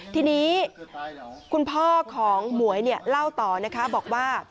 ทีนี้คุณพ่อของหมวยเล่าต่อนะคะบอกว่า